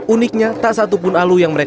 uniknya tak satupun alu yang mereka